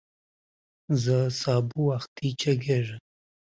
It is exact if and only if "A" is projective.